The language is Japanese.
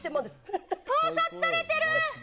盗撮されてる。